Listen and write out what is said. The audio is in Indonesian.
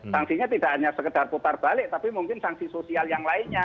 sanksinya tidak hanya sekedar putar balik tapi mungkin sanksi sosial yang lainnya